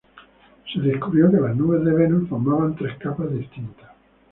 Se descubrió que las nubes de Venus formaban tres capas distintas.